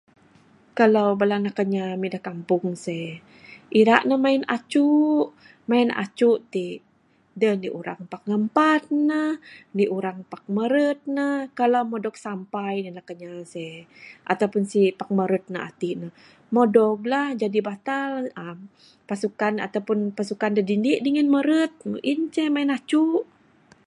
Kalau bala anak inya ami da kampung se'eh ira ne main acu'k. Main acu'k ti, deh indi urang pak ngampan ne, indi urang pak meret neh. Pak meh dog sampai ne neg anak inya se'eh . Ato pun sipak ne meret ne atik ne. Meh udog lah, meh dog batal. Pasukan ato pun pasukan da dindi dangan meret. Meng en ceh main acu'k